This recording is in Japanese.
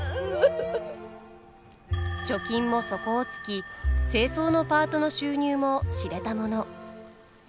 貯金も底をつき清掃のパートの収入も知れたもの。